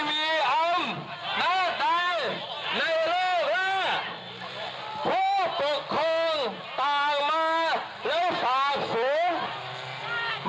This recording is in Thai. ไม่มีใครล้ำเลือดหน้าเชิดทมประชาชนสมบูรณ์ที่วางไป